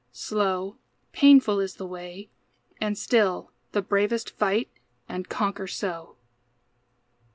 Slow, painful is the way, And still, the bravest fight and conquer so.